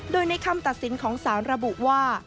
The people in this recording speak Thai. โดยในคำตัดสินของสารระบุว่า